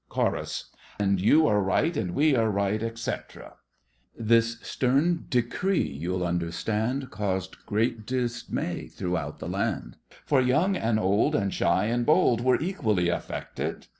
CHORUS. And you are right. And we are right, etc This stem decree, you'll understand, Caused great dismay throughout the land! For young and old And shy and bold Were equally affected.